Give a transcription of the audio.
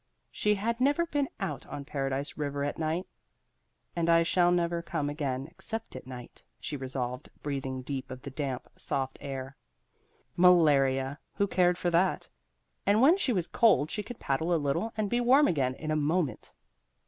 She had never been out on Paradise River at night. "And I shall never come again except at night," she resolved, breathing deep of the damp, soft air. Malaria who cared for that? And when she was cold she could paddle a little and be warm again in a moment.